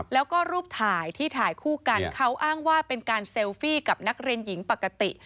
แล้วก็รูปถ่ายที่ถ่ายคู่กันเขาอ้างว่าเป็นการเซลฟี่กับนักเรียนหญิงปกติ